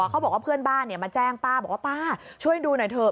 เขาบอกว่าเพื่อนบ้านมาแจ้งป้าบอกว่าป้าช่วยดูหน่อยเถอะ